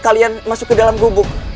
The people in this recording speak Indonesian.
kalian masuk ke dalam gubuk